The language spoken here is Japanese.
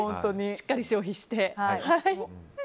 しっかり消費して。